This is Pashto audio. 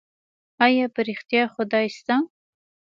ايا په رښتيا خدای سته؟